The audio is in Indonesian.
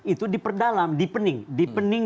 itu diperdalam dipening dipening